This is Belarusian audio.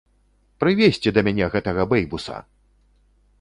Прывесці да мяне гэтага бэйбуса!